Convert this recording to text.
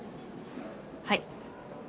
はい。